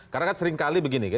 karena kan seringkali begini